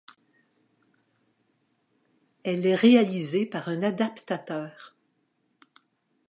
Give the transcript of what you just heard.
Elle est réalisée par un adaptateur.